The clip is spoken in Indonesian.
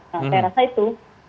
saya rasa itu